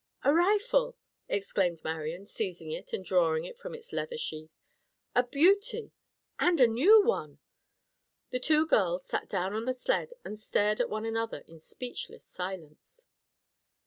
"A rifle!" exclaimed Marian, seizing it and drawing it from his leather sheath. "A beauty! And a new one!" The two girls sat down on the sled and stared at one another in speechless silence.